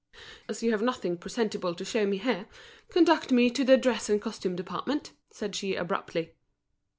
"As you have nothing presentable to show me here, conduct me to the dress and costume department," said she, abruptly.